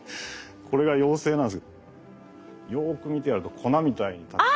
これが幼生なんですけどよく見てやると粉みたいにたくさん。